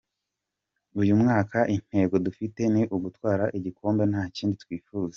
Uyu mwaka intego dufite ni ugutwara igikombe nta kindi twifuza.